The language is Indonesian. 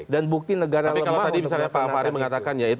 dan bukti negara lemah untuk melaksanakannya